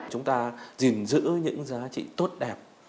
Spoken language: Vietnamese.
chúng ta gìn giữ những giá trị tốt đẹp